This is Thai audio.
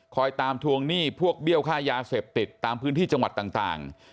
ตามทวงหนี้พวกเบี้ยวค่ายาเสพติดตามพื้นที่จังหวัดต่าง